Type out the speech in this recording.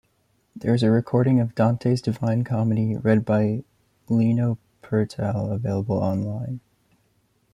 There is a recording of Dante's Divine Comedy read by Lino Pertile available online.